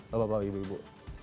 bapak bapak ibu ibu